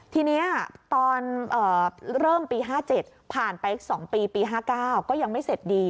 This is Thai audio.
ทีนี้ตอนเริ่มปี๕๗ผ่านไป๒ปีปี๕๙ก็ยังไม่เสร็จดี